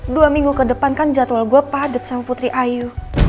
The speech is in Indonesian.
dua minggu ke depan kan jadwal gue padat sama putri ayu